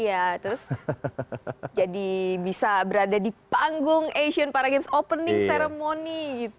iya terus jadi bisa berada di panggung asian paragames opening ceremony gitu